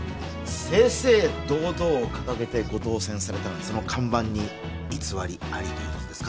「正々堂々」を掲げてご当選されたのにその看板に偽りありということですか？